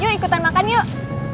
yuk ikutan makan yuk